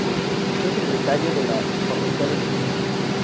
Fue Secretario de la facultad de Medicina.